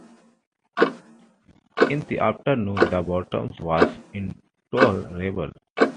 In the afternoon the Bottoms was intolerable.